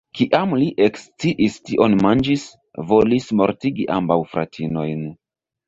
Kiam li eksciis kion manĝis, volis mortigi ambaŭ fratinojn.